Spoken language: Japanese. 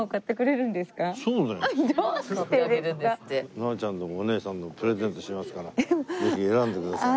直ちゃんのお姉さんのプレゼントしますからぜひ選んでください。